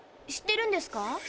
知ってるんですか？